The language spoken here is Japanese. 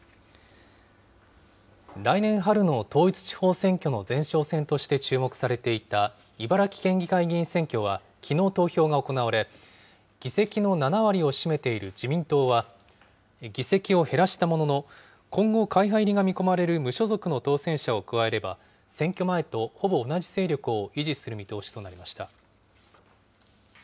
来年春の統一地方選挙の前哨戦として注目されていた茨城県議会議員選挙は、きのう投票が行われ、議席の７割を占めている自民党は、議席を減らしたものの、今後、会派入りが見込まれる無所属の当選者を加えれば、選挙前とほぼ同じ勢力を維持する見通しとなりました。